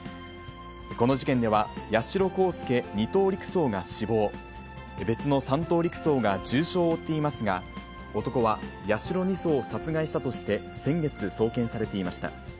この事件では、八代航佑２等陸曹が死亡、別の３等陸曹が重傷を負っていますが、男は八代２曹を殺害したとして、先月送検されていました。